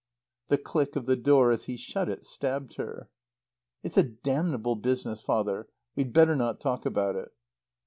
The click of the door as he shut it stabbed her. "It's a damnable business, father. We'd better not talk about it."